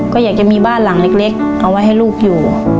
ก็อยากจะมีบ้านหลังเล็กเอาไว้ให้ลูกอยู่